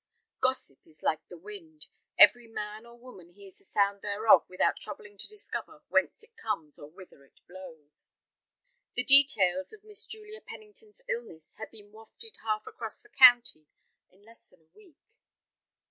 Gossip is like the wind, every man or woman hears the sound thereof without troubling to discover whence it comes or whither it blows. The details of Miss Julia Pennington's illness had been wafted half across the county in less than a week.